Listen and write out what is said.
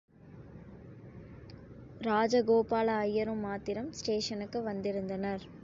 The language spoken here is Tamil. ராஜகோபால ஐயரும் மாத்திரம் ஸ்டேஷ்னுக்கு வந்திருந்தனர்.